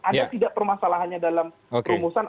ada tidak permasalahannya dalam rumusan